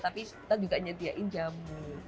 tapi kita juga nyediain jamu